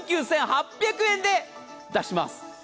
６万９８００円で出します。